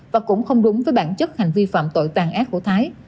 và cũng không đúng với bản chất hành vi phạm tội tàn ác của thái